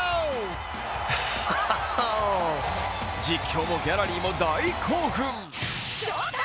実況もギャラリーも大興奮。